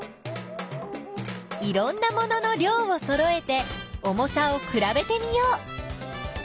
いろんなものの量をそろえて重さをくらべてみよう！